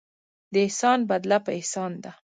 د احسان بدله په احسان ده.